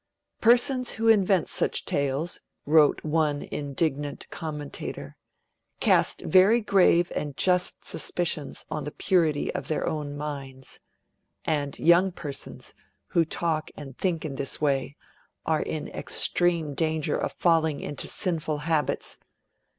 'Persons who invent such tales,' wrote one indignant commentator, 'cast very grave and just suspicions on the purity of their own minds. And young persons, who talk and think in this way, are in extreme danger of falling into sinful habits.